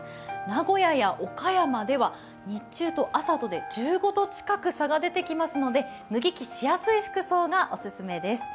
名古屋や岡山では日中と朝とで１５度近く差が出てきますので脱ぎ着しやすい服装がオススメです。